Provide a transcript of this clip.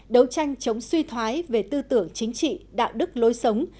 đấu tranh chống suy thoái về tư tưởng chính trị đạo đức lối sống